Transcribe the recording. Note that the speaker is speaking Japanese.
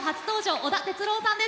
織田哲郎さんです。